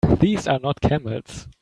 These are not camels!